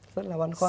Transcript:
rất là quan khoan